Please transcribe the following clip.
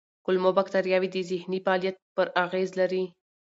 کولمو بکتریاوې د ذهني فعالیت پر اغېز لري.